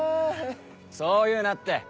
そう言うなって。